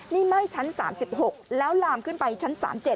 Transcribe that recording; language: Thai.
นี่ไหม้ชั้น๓๖แล้วลามขึ้นไปชั้น๓๗